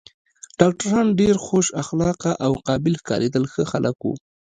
ډاکټران ډېر خوش اخلاقه او قابل ښکارېدل، ښه خلک و.